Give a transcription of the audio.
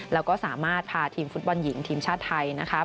แล้วก็สามารถพาทีมฟุตบอลหญิงทีมชาติไทยนะคะ